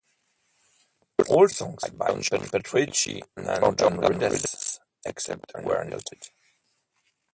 All songs by John Petrucci and Jordan Rudess, except where noted.